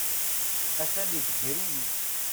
A-t-an iḍegger-iyi.